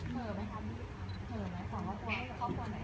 เผื่อมั้ยครับบี๊